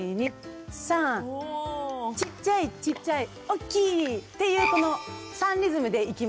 ちっちゃいちっちゃいおっきい！っていうこの３リズムでいきます。